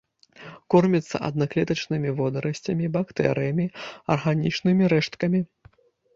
Кормяцца аднаклетачнымі водарасцямі, бактэрыямі, арганічнымі рэшткамі.